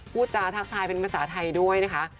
พูดจาทักทายเป็นภาษาไทยด้วยนะคะ